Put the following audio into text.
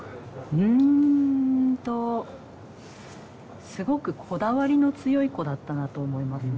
うんとすごくこだわりの強い子だったなと思いますね。